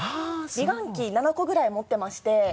美顔器７個ぐらい持ってまして。